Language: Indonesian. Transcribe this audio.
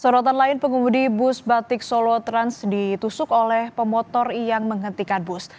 sorotan lain pengemudi bus batik solo trans ditusuk oleh pemotor yang menghentikan bus